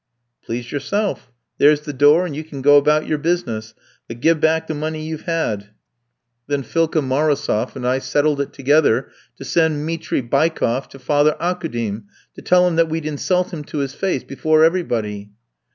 "'Please yourself. There's the door, and you can go about your business; but give back the money you've had!' "Then Philka Marosof and I settled it together to send Mitri Bykoff to Father Aukoudim to tell him that we'd insult him to his face before everybody.